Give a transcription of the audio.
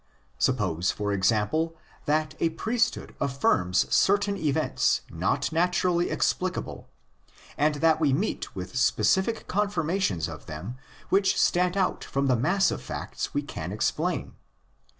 Suppose, for example, that a priesthood affirms certain events not naturally explicable, and that we meet with specific confirmations of them which stand out from the mass of facts we can explain.